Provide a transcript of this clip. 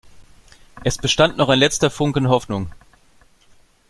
Es bestand noch ein letzter Funken Hoffnung.